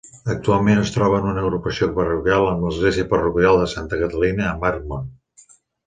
Actualment es troba en una agrupació parroquial amb l'església parroquial de Santa Catalina a Marchmont.